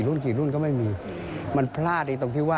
คุณผู้ชมฟังเสียงเจ้าอาวาสกันหน่อยค่ะ